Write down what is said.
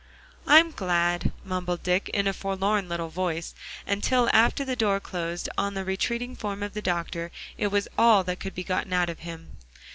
"I'm glad," mumbled Dick, in a forlorn little voice, and till after the door closed on the retreating form of the doctor, it was all that could be gotten out of him.